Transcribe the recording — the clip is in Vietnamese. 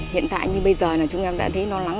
hiện tại như bây giờ chúng em đã thấy non lắng